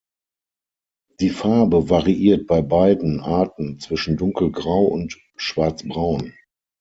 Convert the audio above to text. Die Farbe variiert bei beiden Arten zwischen Dunkelgrau und Schwarzbraun.